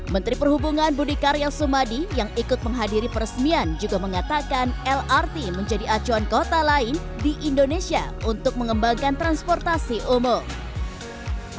menteri perhubungan budi karya sumadi yang ikut menghadiri peresmian juga mengatakan lrt menjadi acuan kota lain di indonesia untuk mengembangkan transportasi umum